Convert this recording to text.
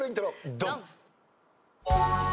ドン！